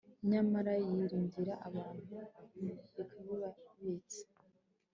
nyamara yiringira abantu ikabibabitsa